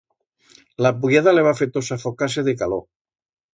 La puyada le heba feto safocar-se de calor.